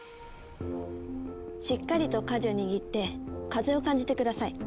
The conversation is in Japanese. しっかりと舵を握って風を感じて下さい。